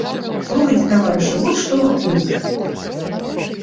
Слухайце, таварышы, от што выходзіць.